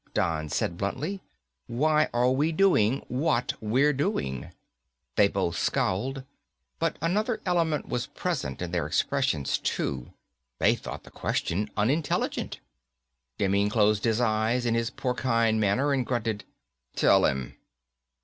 Don said bluntly. "Why are we doing what we're doing?" They both scowled, but another element was present in their expressions too. They thought the question unintelligent. Demming closed his eyes in his porcine manner and grunted, "Tell him."